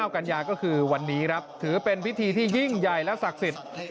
กันยาก็คือวันนี้ครับถือเป็นพิธีที่ยิ่งใหญ่และศักดิ์สิทธิ์